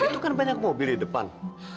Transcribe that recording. itu kan banyak mobil di depan